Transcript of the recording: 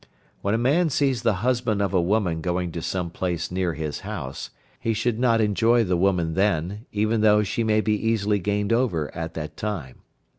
When a man sees the husband of a woman going to some place near his house, he should not enjoy the woman then, even though she may be easily gained over at that time.